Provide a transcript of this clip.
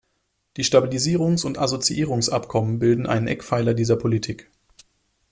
Die Stabilisierungsund Assoziierungsabkommen bilden einen Eckpfeiler dieser Politik.